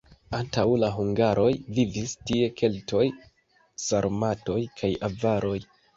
Antaŭ la hungaroj vivis tie keltoj, sarmatoj kaj avaroj.